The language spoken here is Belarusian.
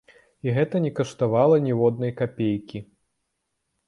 І гэта не каштавала ніводнай капейкі.